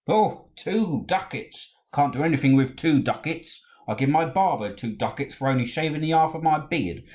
"Oho! two ducats! I can't do anything with two ducats. I give my barber two ducats for only shaving the half of my beard.